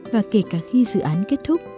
và kể cả khi dự án kết thúc